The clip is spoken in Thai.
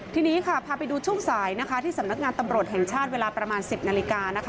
ทีนี้ค่ะพาไปดูช่วงสายนะคะที่สำนักงานตำรวจแห่งชาติเวลาประมาณ๑๐นาฬิกานะคะ